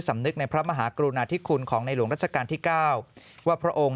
สำนึกในพระมหากรุณาธิคุณของในหลวงรัชกาลที่๙ว่าพระองค์